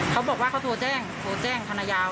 เขาบอกว่าเขาโทรแจ้งโทรแจ้งธนายาว